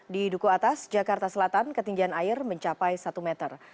di duku atas jakarta selatan ketinggian air mencapai satu meter